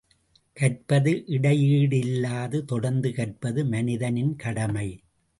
கற்பது இடையீடில்லாது தொடர்ந்து கற்பது மனிதனின் கடமை.